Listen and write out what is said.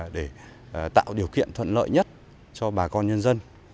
để tạo điều kiện thuận lợi nhất cho bà con nhân dân